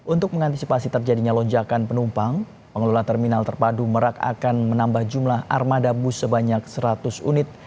untuk mengantisipasi terjadinya lonjakan penumpang pengelola terminal terpadu merak akan menambah jumlah armada bus sebanyak seratus unit